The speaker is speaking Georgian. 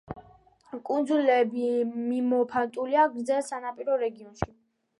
კუნძულები მიმოფანტულია გრძელ სანაპირო რეგიონში.